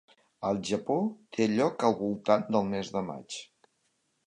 Al Japó té lloc al voltant del mes de maig.